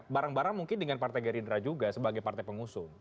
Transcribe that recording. barang barang mungkin dengan partai gerindra juga sebagai partai pengusung